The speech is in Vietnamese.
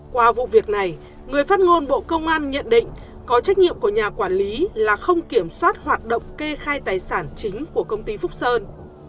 qua vụ việc này người phát ngôn bộ công an nhận định có trách nhiệm của nhà quản lý là không kiểm soát hoạt động kê khai tài sản chính của công ty phúc sơn